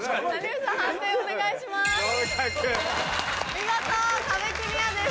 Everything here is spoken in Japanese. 見事壁クリアです。